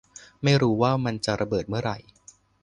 ไม่รู้ว่ามันจะระเบิดเมื่อไหร่